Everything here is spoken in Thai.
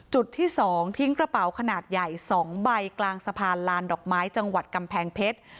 จุดที่๒ทิ้งกระเป๋าขนาดใหญ่๒ใบกลางสะพานลานดอกไม้จังหวัดกำแพงเพชร